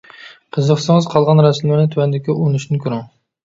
قىزىقسىڭىز قالغان رەسىملەرنى تۆۋەندىكى ئۇلىنىشتىن كۆرۈڭ.